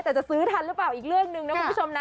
แต่จะซื้อทันหรือเปล่าอีกเรื่องหนึ่งนะคุณผู้ชมนะ